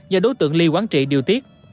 do đối tượng ly quán trị điều tiết